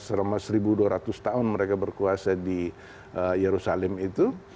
selama seribu dua ratus tahun mereka berkuasa di yerusalem itu